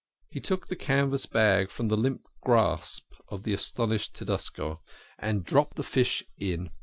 He took the canvas bag from the limp grasp of the astonished Tedesco, and dropped the fish in.